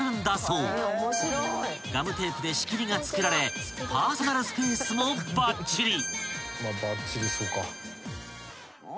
［ガムテープで仕切りが作られパーソナルスペースもばっちり］